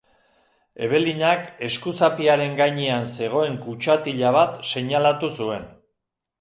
Ebelinak eskuzapiaren gainean zegoen kutxatila bat seinalatu zuen.